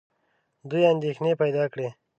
دوی اندېښنې پیدا کړې.